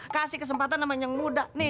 kasih kesempatan namanya yang muda nih